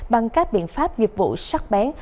bằng các biện pháp nghiệp vụ sắc bén